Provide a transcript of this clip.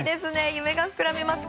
夢が膨らみます！